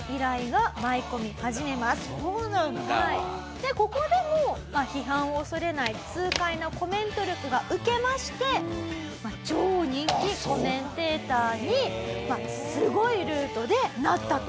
でここでも批判を恐れない痛快なコメント力がウケまして超人気コメンテーターにすごいルートでなったと。